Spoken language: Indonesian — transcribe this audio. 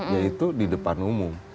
yaitu di depan umum